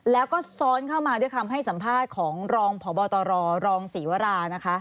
แล้วก็ซ้อนเข้ามาด้วยคำให้สัมภาษณ์ของรองพบตรรองศรีวรานะคะ